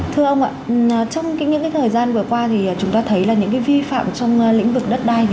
thưa ông ạ trong những thời gian vừa qua thì chúng ta thấy là những cái vi phạm trong lĩnh vực đất đai